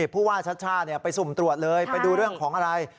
ผู้ว่าชัชชาไปสุ่มตรวจเลยไปดูเรื่องของอะไร